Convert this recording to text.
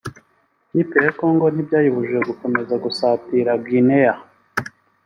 ikipe ya Congo ntibyayibujije gukomeza gusatira Guinea